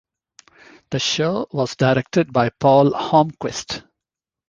The show was directed by Paul Holmquist.